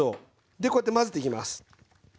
でこうやって混ぜていきます。